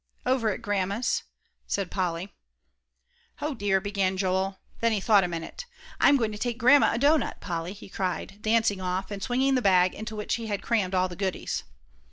"Over at Grandma's," said Polly. "O dear!" began Joel, then he thought a minute. "I'm going to take Grandma a doughnut, Polly," he cried, dancing off, and swinging the bag, into which he had crammed all the "goodies."